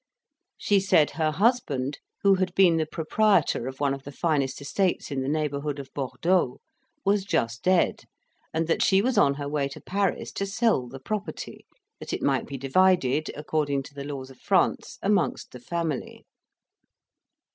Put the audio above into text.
She said her husband, who had been the proprietor of one of the finest estates in the neighbourhood of Bordeaux, was just dead, and that she was on her way to Paris to sell the property, that it might be divided, according to the laws of France, amongst the family.